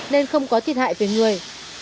nên không có thiệt hại về người